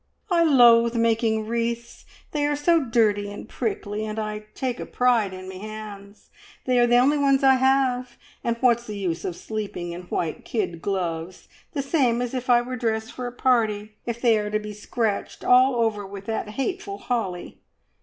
"I loathe making wreaths; they are so dirty and prickly, and I take a pride in me hands; they are the only ones I have, and what's the use of sleeping in white kid gloves, the same as if I were dressed for a party, if they are to be scratched all over with that hateful holly?"